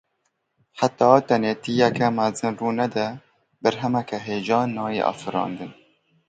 Heta tenêtiyeke mezin rû nede berhemeke hêja nayê afirandin.